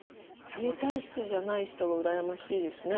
冷え体質じゃない人が羨ましいですね。